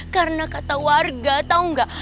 karena kata warga tau gak